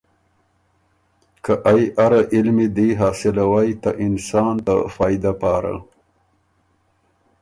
که ائ اره علمی دی حاصلوئ ته انسان ته فائدۀ پاره۔